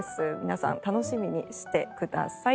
皆さん楽しみにしてください。